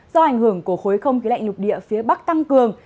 do ảnh hưởng của khối không khí lạnh lục địa phía bắc tăng cường